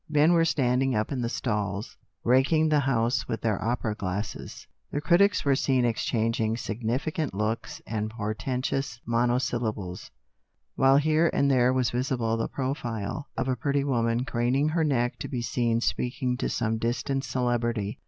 Men were standing up in the stalls, raking the house with their opera glasses; the critics were seen exchanging sig nificant looks and portentous monosyllables ; while here and there was visible the profile of a pretty woman craning her neck to be seen speaking to some distant celebrity.